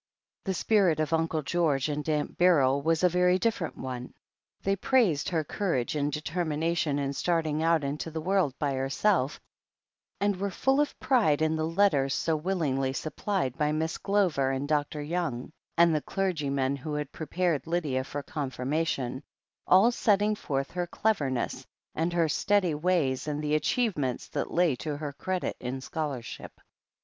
The spirit of Uncle George and Aunt Beryl was a ^ery different one. They praised her courage and de termination in starting out into the world ^jr herself, and were full of pride in the letters so willingly sup plied by Miss Glover and Dr. Young, and the f^rgy man who had prepared Lydia for confirmation, all setting forth her cleverness, and her steady ways and the achievements that lay to her credit in scholarship.